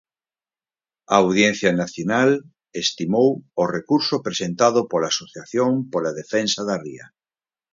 A Audiencia Nacional estimou o recurso presentado pola Asociación pola Defensa da Ría.